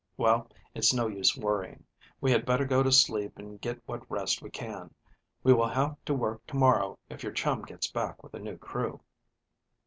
Well, it's no use worrying. We had better go to sleep and get what rest we can. We will have to work to morrow if your chum gets back with a new crew."